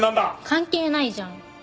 関係ないじゃん。